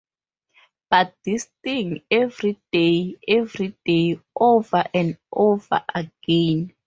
But this thing-every day, every day, over and over again.